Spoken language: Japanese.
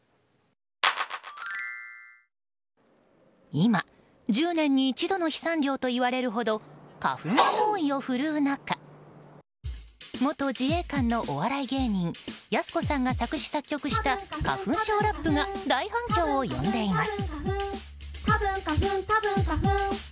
今、１０年に一度の飛散量といわれるほど花粉が猛威を振るう中元自衛官のお笑い芸人やす子さんが作詞・作曲した花粉症ラップが大反響を呼んでいます。